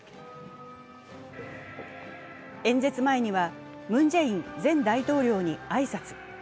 演説前には、ムン・ジェイン前大統領に挨拶。